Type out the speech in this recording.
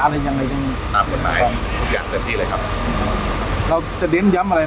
เพราะว่าเมืองนี้จะเป็นที่สุดท้าย